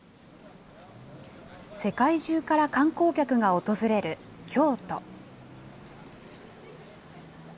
世界中から観光客が訪れる京都。